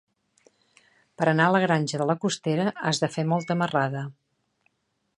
Per anar a la Granja de la Costera has de fer molta marrada.